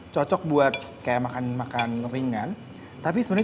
cocok buat kayak makan makan ringan